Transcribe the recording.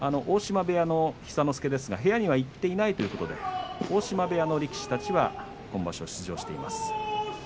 大島部屋の寿之介ですが部屋には行っていないということで大島部屋の力士たちは今場所出場しています。